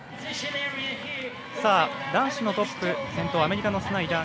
さあ男子のトップ先頭アメリカのスナイダー。